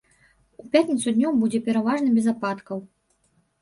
У пятніцу днём будзе пераважна без ападкаў.